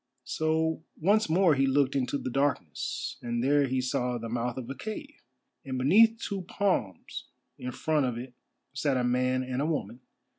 So once more he looked into the darkness, and there he saw the mouth of a cave, and beneath two palms in front of it sat a man and a woman.